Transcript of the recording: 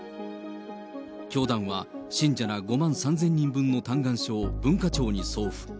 教団は、信者ら５万３０００人分の嘆願書を文化庁に送付。